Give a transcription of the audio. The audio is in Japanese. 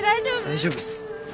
大丈夫っす。